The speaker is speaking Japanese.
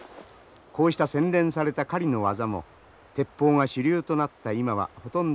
こうした洗練された狩りの技も鉄砲が主流となった今はほとんど行われません。